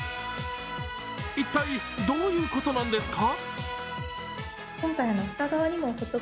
一体どういうことなんですか。